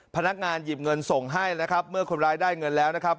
พนักงานหยิบเงินส่งให้นะครับเมื่อคนร้ายได้เงินแล้วนะครับ